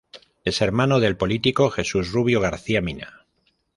Es hermano del político Jesús Rubio García-Mina.